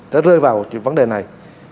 đã rơi vào vấn đề này